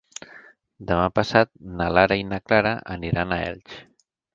Demà passat na Lara i na Clara aniran a Elx.